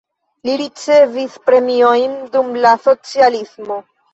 Li ricevis premiojn dum la socialismo.